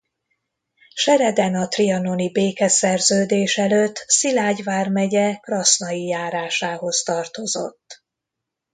Sereden a trianoni békeszerződés előtt Szilágy vármegye Krasznai járásához tartozott.